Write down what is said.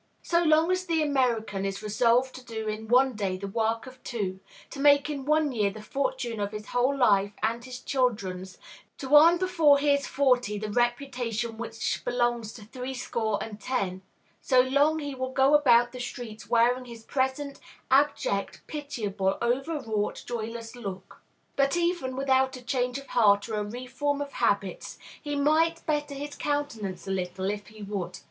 So long as the American is resolved to do in one day the work of two, to make in one year the fortune of his whole life and his children's, to earn before he is forty the reputation which belongs to threescore and ten, so long he will go about the streets wearing his present abject, pitiable, overwrought, joyless look. But, even without a change of heart or a reform of habits, he might better his countenance a little, if he would.